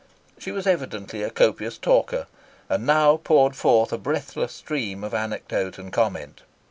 She was evidently a copious talker, and now poured forth a breathless stream of anecdote and comment.